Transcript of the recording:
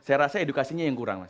saya rasa edukasinya yang kurang mas